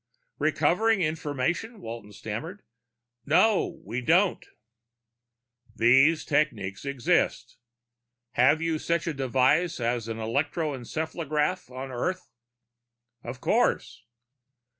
"Recovering information?" Walton stammered. "No, we don't." "These techniques exist. Have you such a device as an electroencephalograph on Earth?" "Of course."